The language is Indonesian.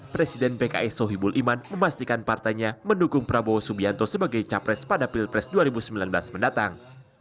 presiden pks sohibul iman memastikan partainya mendukung prabowo subianto sebagai capres pada pilpres dua ribu sembilan belas mendatang